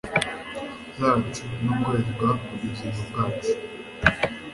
zacu no kwezwa kubugingo bwacu